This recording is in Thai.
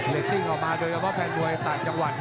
ติ้งออกมาโดยเฉพาะแฟนมวยต่างจังหวัด